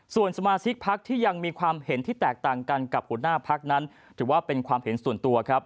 ส่วนสมาชิกพักที่ยังมีความเห็นที่แตกต่างกันกับหัวหน้าพักนั้นถือว่าเป็นความเห็นส่วนตัวครับ